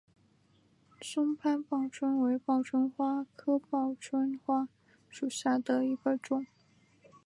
松潘报春为报春花科报春花属下的一个种。